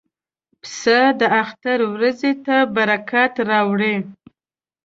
پسه د اختر ورځې ته برکت راوړي.